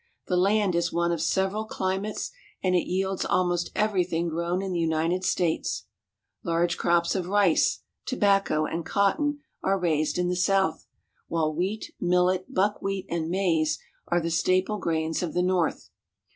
The land is one of several climates, and it yields almost everything grown in the United States. Large crops of "The leaves are picked over by women and girls. rice, tobacco, and cotton are raised in the south ; while wheat, millet, buckwheat, and maize are the staple grains of the north.